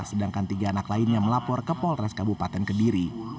sedangkan tiga anak lainnya melapor ke polres kabupaten kediri